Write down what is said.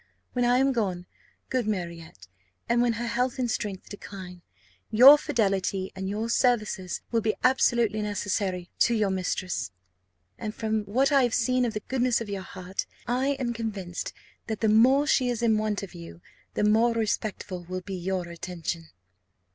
When I am gone, good Marriott, and when her health and strength decline, your fidelity and your services will be absolutely necessary to your mistress; and from what I have seen of the goodness of your heart, I am convinced that the more she is in want of you, the more respectful will be your attention."